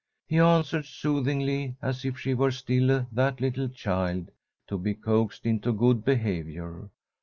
He answered soothingly, as if she were still that little child, to be coaxed into good behaviour.